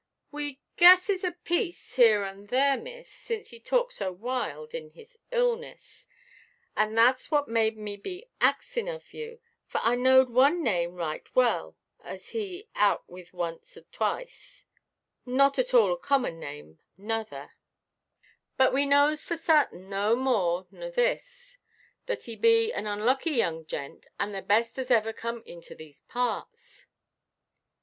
"We guesses a piece here and there, miss, since he talk so wild in his illness. And thatʼs what made me be axing of you; for I knowed one name right well as he out with once or twice; not at all a common name nother. But we knows for sartin no more nor this, that he be an onlucky young gent, and the best as ever come into these parts."